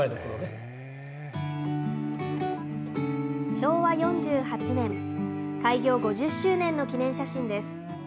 昭和４８年、開業５０周年の記念写真です。